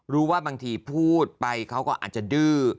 บางทีพูดไปเขาก็อาจจะดื้อ